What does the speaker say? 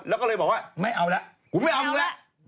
แล้วก็เลยบอกว่าไม่เอาแล้วกูไม่เอามึงแล้ว